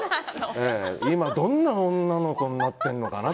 今どんな女の子になってるのかな。